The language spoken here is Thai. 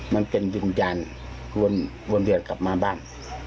มันเป็นวิญญาณวนเดือดกลับมาบ้าน